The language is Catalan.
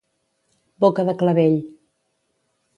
Boca de clavell.